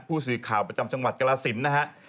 ผู้สืบข่าวประจำจังหวัดกราศิลป์นะครับ